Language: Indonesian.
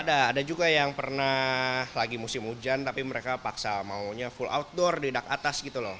ada juga yang pernah lagi musim hujan tapi mereka paksa maunya full outdoor di dak atas gitu loh